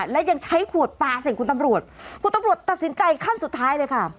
และยังใช้ขวดปลาใส่คุณตำรวจคุณตำรวจตัดสินใจขั้นสุดท้ายเลยค่ะ